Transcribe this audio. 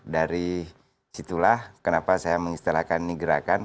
dari situlah kenapa saya mengistilahkan ini gerakan